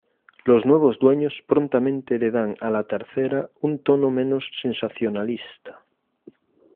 Los nuevos dueños prontamente le dan a "La Tercera" un tono menos sensacionalista.